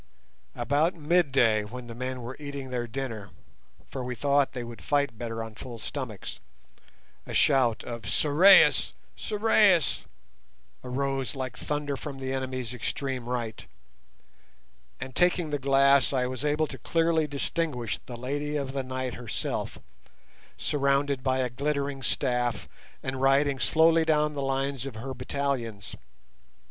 About midday, when the men were eating their dinner, for we thought they would fight better on full stomachs, a shout of "Sorais, Sorais" arose like thunder from the enemy's extreme right, and taking the glass, I was able to clearly distinguish the "Lady of the Night" herself, surrounded by a glittering staff, and riding slowly down the lines of her battalions.